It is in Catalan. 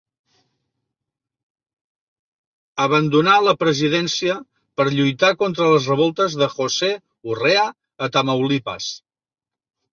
Abandonà la presidència per lluitar contra les revoltes de José Urrea a Tamaulipas.